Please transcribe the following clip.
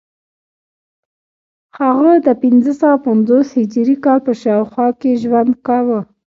هغه د پنځه سوه پنځوس هجري کال په شاوخوا کې ژوند کاوه